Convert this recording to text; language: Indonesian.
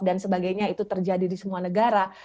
dan sebagainya itu terjadi di semua negara